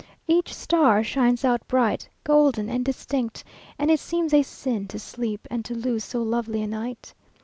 Each star shines out bright, golden, and distinct, and it seems a sin to sleep and to lose so lovely a night....